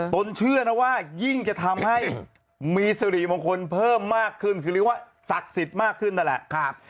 เชื่อนะว่ายิ่งจะทำให้มีสิริมงคลเพิ่มมากขึ้นคือเรียกว่าศักดิ์สิทธิ์มากขึ้นนั่นแหละ